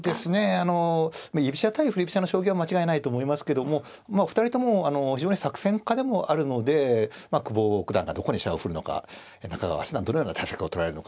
あの居飛車対振り飛車の将棋は間違いないと思いますけどもまあ２人とも非常に作戦家でもあるので久保九段がどこに飛車を振るのか中川八段どのような対策をとられるのか